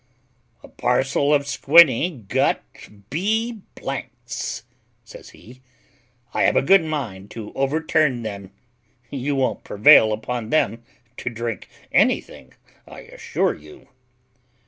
"A parcel of squinny gut b s," says he; "I have a good mind to overturn them; you won't prevail upon them to drink anything, I assure you."